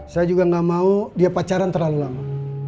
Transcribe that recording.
saya juga nggak mau dia pacaran terlalu lama